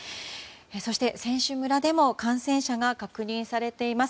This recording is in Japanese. そして、選手村でも感染者が確認されています。